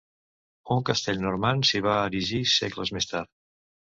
Un castell normand s'hi va erigir segles més tard.